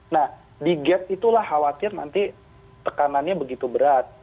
nah di gap itulah khawatir nanti tekanannya begitu berat